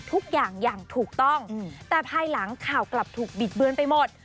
ทุกอย่างอย่างถูกต้องแต่ภายหลังข่าวกลับถูกบิดเบือนไปหมด